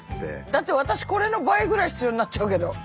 だって私これの倍ぐらい必要になっちゃうけど。